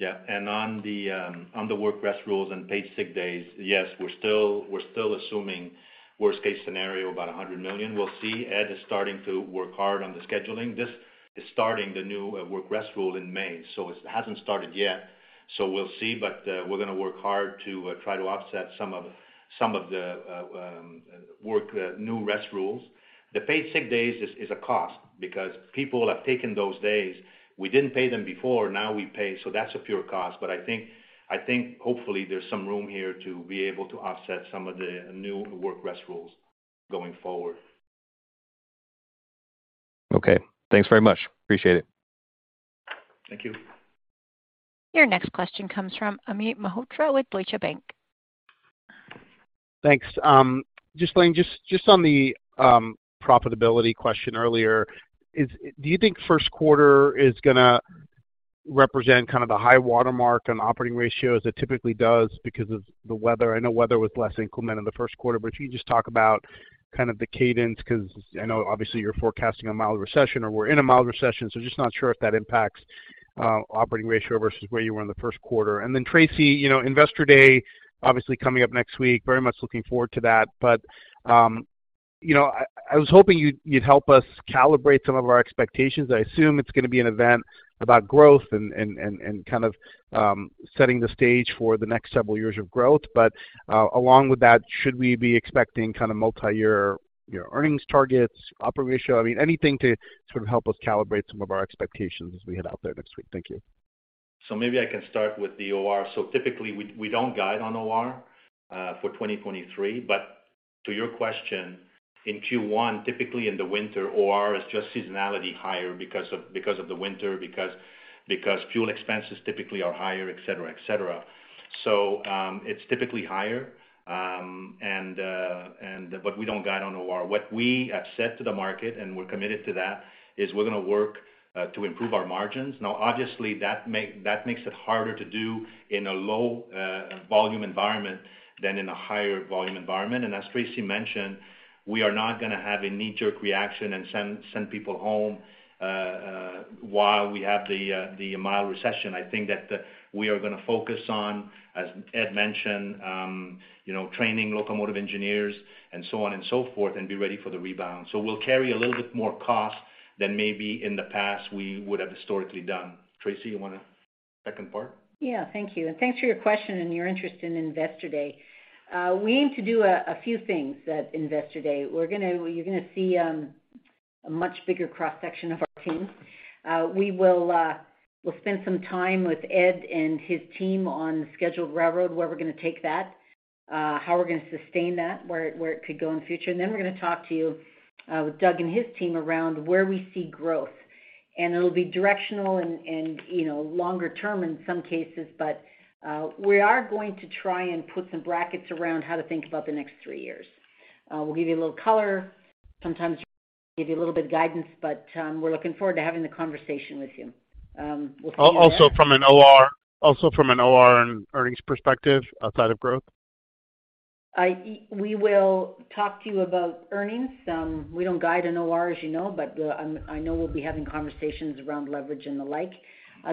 On the work rest rules and paid medical leave, yes, we're still assuming worst case scenario about $100 million. We'll see. Ed is starting to work hard on the scheduling. This is starting the new work rest rule in May, so it hasn't started yet, so we'll see. We're gonna work hard to try to offset some of the new rest rules. The paid medical leave is a cost because people have taken those days. We didn't pay them before, now we pay, that's a pure cost. I think hopefully there's some room here to be able to offset some of the new work rest rules going forward. Okay. Thanks very much. Appreciate it. Thank you. Your next question comes from Amit Mehrotra with Deutsche Bank. Thanks. Ghislain, just on the profitability question earlier, do you think first quarter is gonna represent kind of the high watermark on Operating Ratios? It typically does because of the weather. I know weather was less inclement in the first quarter, but can you just talk about kind of the cadence? 'Cause I know obviously you're forecasting a mild recession or we're in a mild recession, so just not sure if that impacts Operating Ratio versus where you were in the first quarter. Tracy, you know, Investor Day obviously coming up next week. Very much looking forward to that. You know, I was hoping you'd help us calibrate some of our expectations. I assume it's gonna be an event about growth and kind of setting the stage for the next several years of growth. Along with that, should we be expecting kind of multi-year, you know, earnings targets, Operating Ratio? I mean, anything to sort of help us calibrate some of our expectations as we head out there next week. Thank you. Maybe I can start with the OR. Typically we don't guide on OR for 2023. To your question, in Q1, typically in the winter, OR is just seasonality higher because of the winter, because fuel expenses typically are higher, et cetera, et cetera. It's typically higher. We don't guide on OR. What we have said to the market, and we're committed to that, is we're gonna work to improve our margins. Obviously, that makes it harder to do in a low volume environment than in a higher volume environment. As Tracy mentioned, we are not gonna have a knee-jerk reaction and send people home while we have the mild recession. I think that we are gonna focus on, as Ed mentioned, you know, training locomotive engineers and so on and so forth and be ready for the rebound. We'll carry a little bit more cost than maybe in the past we would have historically done. Tracy, you wanna second part? Yeah, thank you. Thanks for your question and your interest in Investor Day. We aim to do a few things at Investor Day. You're gonna see a much bigger cross-section of our team. We will spend some time with Ed and his team on the scheduled railroad, where we're gonna take that, how we're gonna sustain that, where it could go in the future. Then we're gonna talk to you with Doug and his team around where we see growth. It'll be directional and, you know, longer term in some cases, but we are going to try and put some brackets around how to think about the next three years. We'll give you a little color, sometimes give you a little bit of guidance, but, we're looking forward to having the conversation with you. We'll see you there. Also from an OR and earnings perspective outside of growth? We will talk to you about earnings. We don't guide in OR, as you know. I know we'll be having conversations around leverage and the like.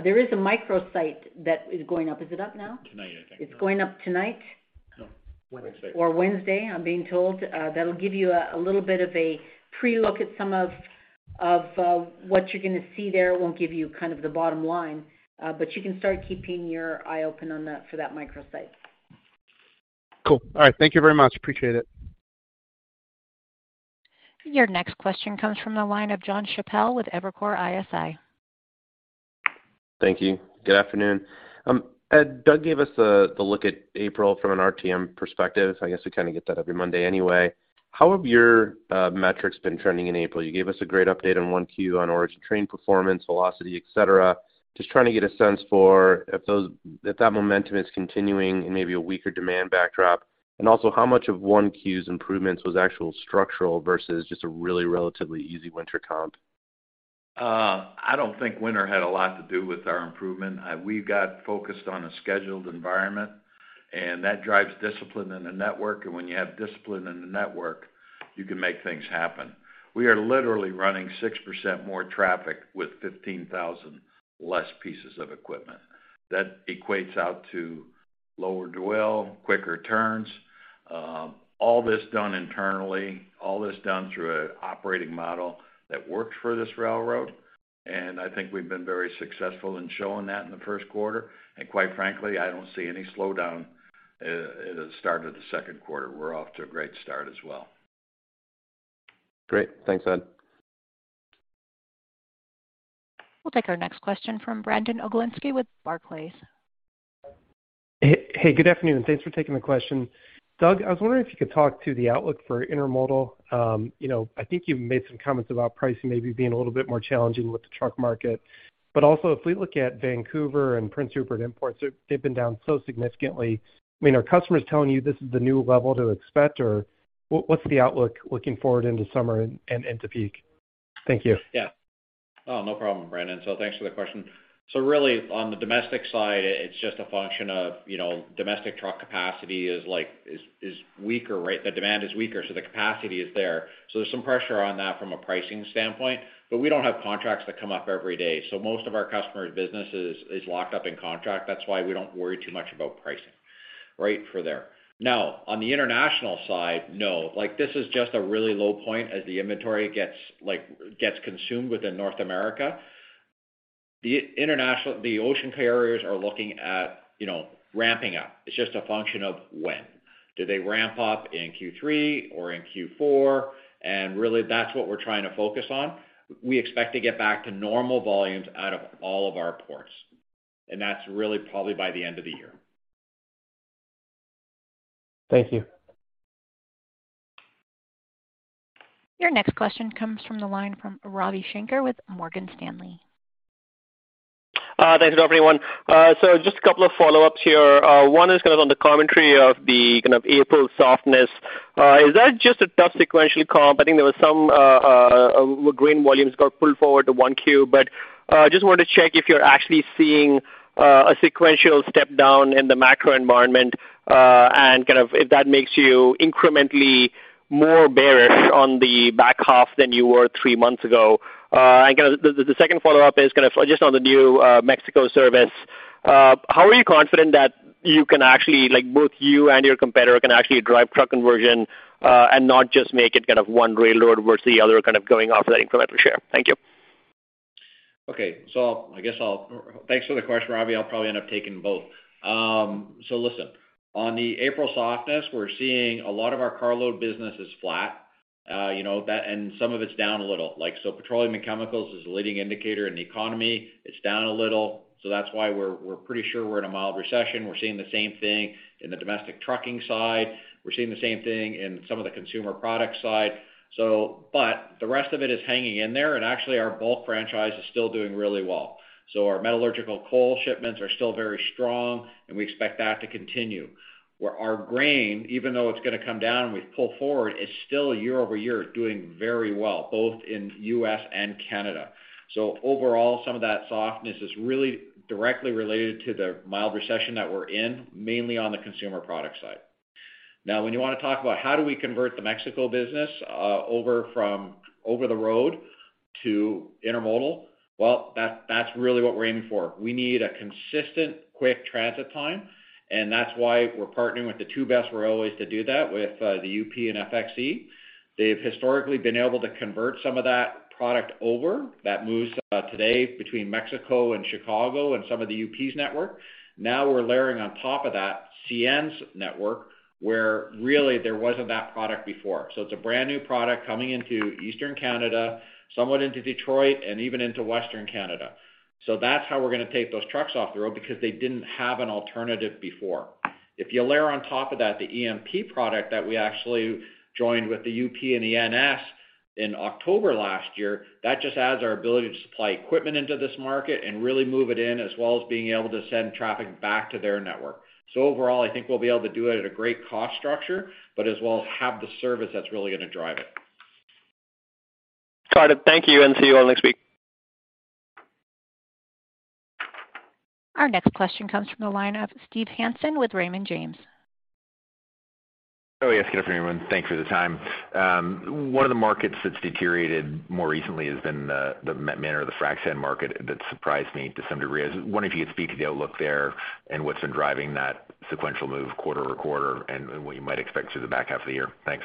There is a microsite that is going up. Is it up now? Tonight, I think. It's going up tonight. No, Wednesday. Wednesday, I'm being told. That'll give you a little bit of a pre-look at some of what you're gonna see there. It won't give you kind of the bottom line, but you can start keeping your eye open on that for that microsite. Cool. All right. Thank you very much. Appreciate it. Your next question comes from the line of Jonathan Chappell with Evercore ISI. Thank you. Good afternoon. Ed, Doug gave us the look at April from an RTM perspective. I guess we kind of get that every Monday anyway. How have your metrics been trending in April? You gave us a great update on 1Q on Origin Train Performance, velocity, et cetera. Just trying to get a sense for if that momentum is continuing in maybe a weaker demand backdrop. Also, how much of 1Q's improvements was actual structural versus just a really relatively easy winter comp? I don't think winter had a lot to do with our improvement. We got focused on a scheduled environment, that drives discipline in the network. When you have discipline in the network, you can make things happen. We are literally running 6% more traffic with 15,000 less pieces of equipment. That equates out to lower dwell, quicker turns. All this done internally, all this done through an operating model that works for this railroad. I think we've been very successful in showing that in the first quarter. Quite frankly, I don't see any slowdown at the start of the second quarter. We're off to a great start as well. Great. Thanks, Ed. We'll take our next question from Brandon Oglenski with Barclays. Good afternoon, and thanks for taking the question. Doug MacDonald, I was wondering if you could talk to the outlook for intermodal. You know, I think you've made some comments about pricing maybe being a little bit more challenging with the truck market. Also, if we look at Vancouver and Prince Rupert imports, they've been down so significantly. I mean, are customers telling you this is the new level to expect, or what's the outlook looking forward into summer and into peak? Thank you. No problem, Brandon Oglenski. Thanks for the question. Really, on the domestic side, it's just a function of, you know, domestic truck capacity is weaker, right? The demand is weaker, so the capacity is there. There's some pressure on that from a pricing standpoint, but we don't have contracts that come up every day. Most of our customers' businesses is locked up in contract. That's why we don't worry too much about pricing. Right for there. Now on the international side, like, this is just a really low point as the inventory gets consumed within North America. The ocean carriers are looking at, you know, ramping up. It's just a function of when. Do they ramp up in Q3 or in Q4? Really, that's what we're trying to focus on. We expect to get back to normal volumes out of all of our ports, that's really probably by the end of the year. Thank you. Your next question comes from the line from Ravi Shanker with Morgan Stanley. Thanks, everyone. Just a couple of follow-ups here. One is kind of on the commentary of the kind of April softness. Is that just a tough sequential comp? I think there was some grain volumes got pulled forward to 1Q. Just wanted to check if you're actually seeing a sequential step down in the macro environment and kind of if that makes you incrementally more bearish on the back half than you were 3 months ago. Kinda the second follow-up is kinda just on the new Mexico service. How are you confident that you can actually, like, both you and your competitor can actually drive truck conversion and not just make it kind of one railroad versus the other kind of going after that incremental share? Thank you. Okay. I guess I'll Thanks for the question, Ravi. I'll probably end up taking both. listen, on the April softness, we're seeing a lot of our carload business is flat, you know, that and some of it's down a little, like so Petroleum and Chemicals is a leading indicator in the economy. It's down a little. That's why we're pretty sure we're in a mild recession. We're seeing the same thing in the domestic trucking side. We're seeing the same thing in some of the consumer product side. The rest of it is hanging in there. Actually, our bulk franchise is still doing really well. Our metallurgical coal shipments are still very strong, and we expect that to continue. Where our grain, even though it's gonna come down, we've pulled forward, it's still year-over-year doing very well, both in U.S. and Canada. Overall, some of that softness is really directly related to the mild recession that we're in, mainly on the consumer product side. When you wanna talk about how do we convert the Mexico business over from over the road to intermodal, well, that's really what we're aiming for. We need a consistent, quick transit time, That's why we're partnering with the two best railways to do that, with the UP and FXE. They've historically been able to convert some of that product over that moves today between Mexico and Chicago and some of the UP's network. We're layering on top of that CN's network, where really there wasn't that product before. It's a brand new product coming into Eastern Canada, somewhat into Detroit and even into Western Canada. That's how we're gonna take those trucks off the road because they didn't have an alternative before. If you layer on top of that, the EMP product that we actually joined with the UP and the NS in October last year, that just adds our ability to supply equipment into this market and really move it in, as well as being able to send traffic back to their network. Overall, I think we'll be able to do it at a great cost structure, but as well have the service that's really gonna drive it. Got it. Thank you, and see you all next week. Our next question comes from the line of Steven Hansen with Raymond James. Oh, yes. Good afternoon, everyone. Thanks for the time. One of the markets that's deteriorated more recently has been the manner of the frac sand market. That surprised me to some degree. I was wondering if you could speak to the outlook there and what's been driving that sequential move quarter-over-quarter and what you might expect through the back half of the year. Thanks.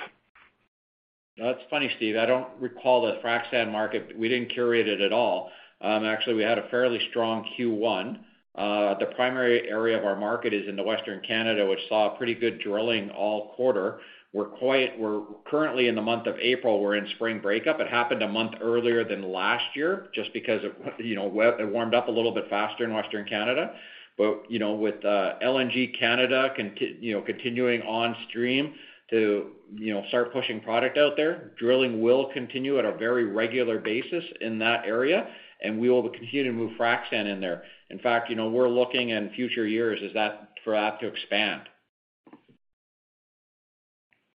That's funny, Steve. I don't recall the frac sand market. We didn't curate it at all. Actually, we had a fairly strong Q1. The primary area of our market is in Western Canada, which saw pretty good drilling all quarter. We're currently in the month of April, we're in spring breakup. It happened a month earlier than last year just because of, you know, it warmed up a little bit faster in Western Canada. With, you know, LNG Canada continuing on stream to, you know, start pushing product out there, drilling will continue at a very regular basis in that area, and we will continue to move frac sand in there. In fact, you know, we're looking in future years is that for that to expand.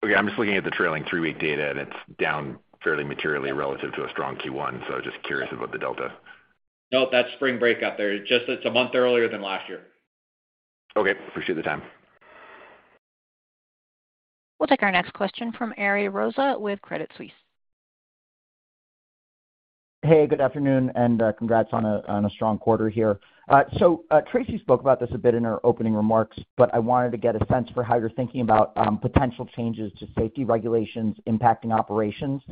Okay. I'm just looking at the trailing 3-week data, and it's down fairly materially relative to a strong Q1. Just curious about the delta. No, that's spring breakup there. Just it's a month earlier than last year. Okay. Appreciate the time. We'll take our next question from Ariel Rosa with Credit Suisse. Hey, good afternoon, and congrats on a strong quarter here. Tracy spoke about this a bit in her opening remarks, but I wanted to get a sense for how you're thinking about potential changes to safety regulations impacting operations.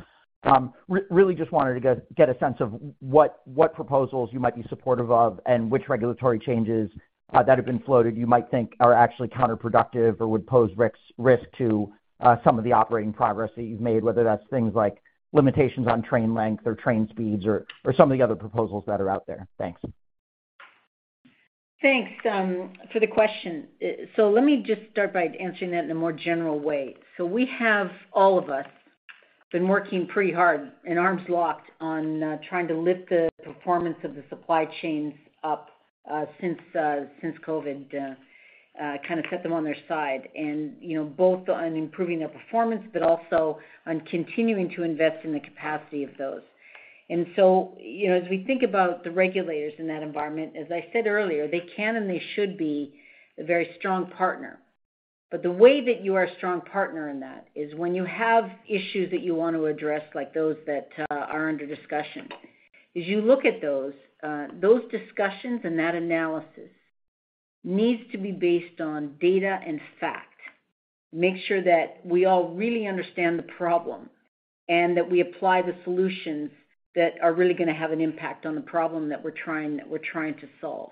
Really just wanted to get a sense of what proposals you might be supportive of and which regulatory changes that have been floated you might think are actually counterproductive or would pose risks to some of the operating progress that you've made, whether that's things like limitations on train length or train speeds or some of the other proposals that are out there? Thanks. Thanks for the question. Let me just start by answering that in a more general way. We have, all of us, been working pretty hard and arms locked on trying to lift the performance of the supply chains up since since COVID kind of set them on their side and, you know, both on improving their performance, but also on continuing to invest in the capacity of those. You know, as we think about the regulators in that environment, as I said earlier, they can and they should be a very strong partner. The way that you are a strong partner in that is when you have issues that you want to address, like those that are under discussion. As you look at those discussions and that analysis needs to be based on data and fact. Make sure that we all really understand the problem and that we apply the solutions that are really gonna have an impact on the problem that we're trying to solve.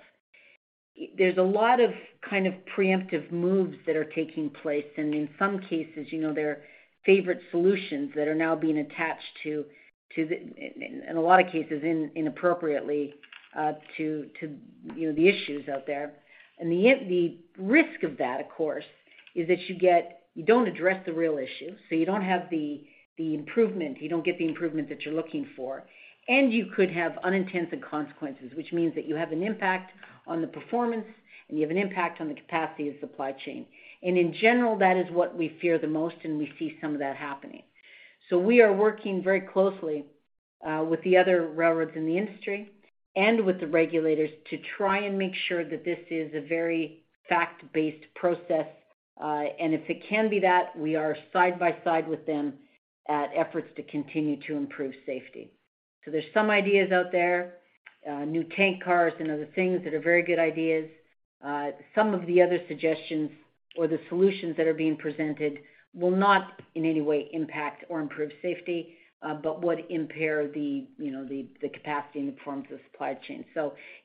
There's a lot of kind of preemptive moves that are taking place, and in some cases, you know, there are favorite solutions that are now being attached to the in a lot of cases, inappropriately, to, you know, the issues out there. The risk of that, of course, is that you don't address the real issue, so you don't have the improvement. You don't get the improvement that you're looking for. You could have unintended consequences, which means that you have an impact on the performance, and you have an impact on the capacity of the supply chain. In general, that is what we fear the most, and we see some of that happening. We are working very closely with the other railroads in the industry and with the regulators to try and make sure that this is a very fact-based process. If it can be that, we are side by side with them at efforts to continue to improve safety. There's some ideas out there, new tank cars and other things that are very good ideas. Some of the other suggestions or the solutions that are being presented will not in any way impact or improve safety, but would impair the, you know, the capacity and the performance of the supply chain.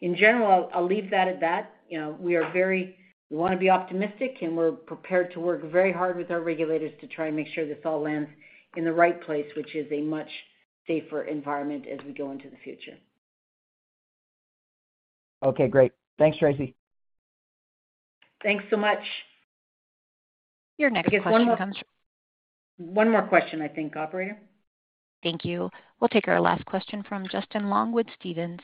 In general, I'll leave that at that. You know, we are We want to be optimistic, and we're prepared to work very hard with our regulators to try and make sure this all lands in the right place, which is a much safer environment as we go into the future. Okay, great. Thanks, Tracy. Thanks so much. Your next question comes. One more question, I think, operator. Thank you. We'll take our last question from Justin Long with Stephens.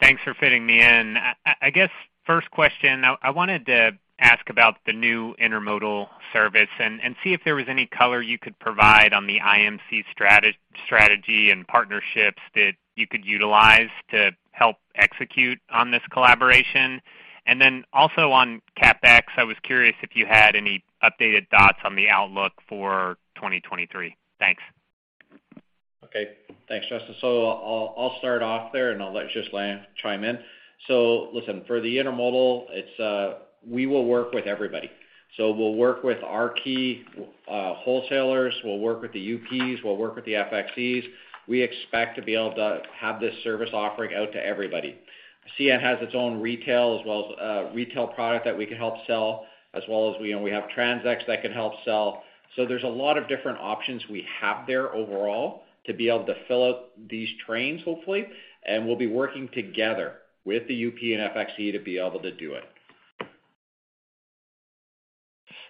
Thanks for fitting me in. I guess first question, I wanted to ask about the new intermodal service and see if there was any color you could provide on the IMC strategy and partnerships that you could utilize to help execute on this collaboration. Also on CapEx, I was curious if you had any updated thoughts on the outlook for 2023. Thanks. Okay. Thanks, Justin. I'll start off there, and I'll let Ghislain Houle chime in. Listen, for the intermodal, it's, we will work with everybody. We'll work with our key wholesalers. We'll work with the UPs. We'll work with the FXEs. We expect to be able to have this service offering out to everybody. CN has its own retail as well as retail product that we can help sell, as well as we have TransX that can help sell. There's a lot of different options we have there overall to be able to fill out these trains, hopefully. We'll be working together with the UP and FXE to be able to do it.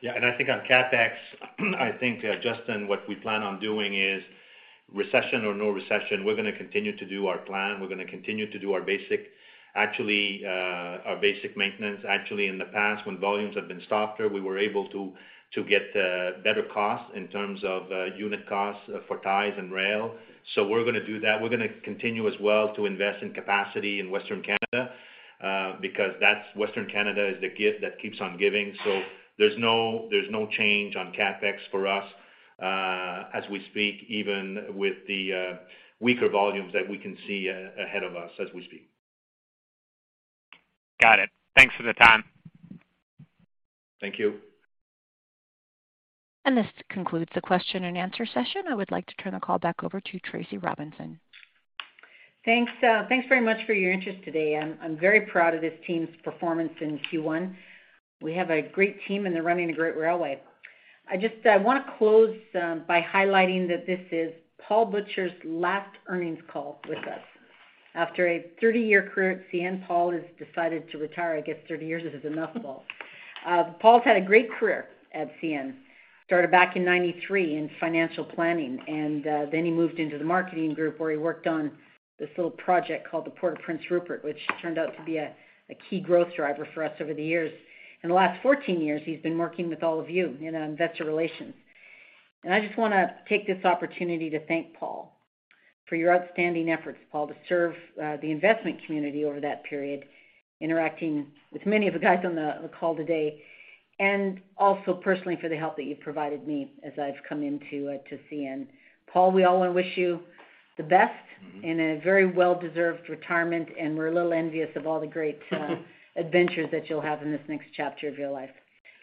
Yeah. I think on CapEx, I think, Justin, what we plan on doing is, recession or no recession, we're gonna continue to do our plan. We're gonna continue to do our basic maintenance. Actually, in the past, when volumes have been softer, we were able to get better costs in terms of unit costs for ties and rail. We're gonna do that. We're gonna continue as well to invest in capacity in Western Canada, because Western Canada is the gift that keeps on giving. There's no, there's no change on CapEx for us as we speak, even with the weaker volumes that we can see ahead of us as we speak. Got it. Thanks for the time. Thank you. This concludes the question and answer session. I would like to turn the call back over to Tracy Robinson. Thanks, thanks very much for your interest today. I'm very proud of this team's performance in Q1. We have a great team, and they're running a great railway. I just wanna close by highlighting that this is Paul Butcher's last earnings call with us. After a 30-year career at CN, Paul has decided to retire. I guess 30 years is enough, Paul. Paul's had a great career at CN. Started back in 1993 in financial planning, and then he moved into the marketing group where he worked on this little project called the Port of Prince Rupert, which turned out to be a key growth driver for us over the years. In the last 14 years, he's been working with all of you know, on investor relations. I just wanna take this opportunity to thank Paul for your outstanding efforts, Paul, to serve the investment community over that period, interacting with many of the guys on the call today, and also personally for the help that you've provided me as I've come into to CN. Paul, we all wanna wish you the best in a very well-deserved retirement, and we're a little envious of all the great adventures that you'll have in this next chapter of your life.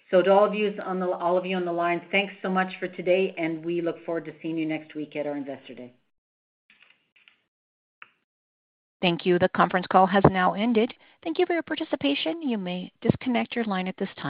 To all of yous on the all of you on the line, thanks so much for today, and we look forward to seeing you next week at our Investor Day. Thank you. The conference call has now ended. Thank you for your participation. You may disconnect your line at this time.